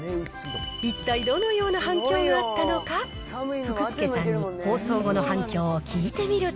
一体どのような反響があったのか、福助さんに放送後の反響を聞い